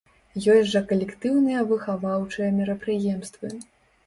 Ёсць жа калектыўныя выхаваўчыя мерапрыемствы.